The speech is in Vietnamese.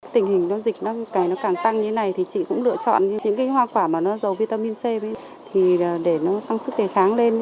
tình hình dịch nó càng tăng như thế này thì chị cũng lựa chọn những hoa quả mà nó giàu vitamin c để nó tăng sức đề kháng lên